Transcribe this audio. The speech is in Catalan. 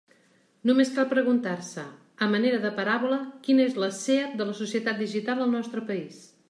Només cal preguntar-se, a manera de paràbola, quina és la SEAT de la societat digital al nostre país.